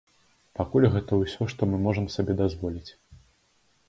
Пакуль гэта ўсё, што мы можам сабе дазволіць.